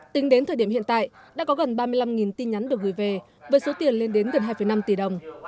tính đến thời điểm hiện tại đã có gần ba mươi năm tin nhắn được gửi về với số tiền lên đến gần hai năm tỷ đồng